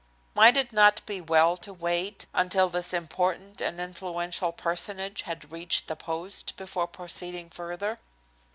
Might it not be well to wait until this important and influential personage had reached the post before proceeding further?